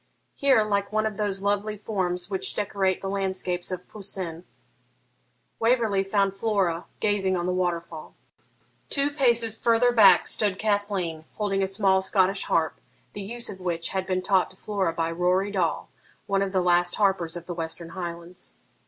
Here, like one of those lovely forms which decorate the landscapes of Poussin, Waverley found Flora gazing on the waterfall. Two paces further back stood Cathleen, holding a small Scottish harp, the use of which had been taught to Flora by Rory Dall, one of the last harpers of the Western Highlands.